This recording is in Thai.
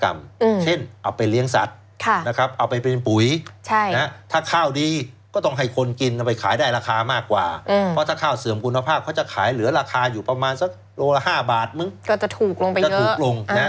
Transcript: มึงก็จะถูกลงไปเยอะจะถูกลง